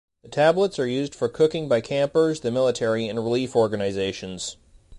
The tablets are used for cooking by campers, the military and relief organizations.